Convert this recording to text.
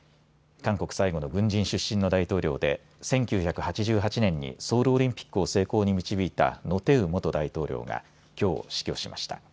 韓国最後の軍人出身の大統領で１９８８年にソウルオリンピックを成功に導いたノ・テウ元大統領がきょう死去しました。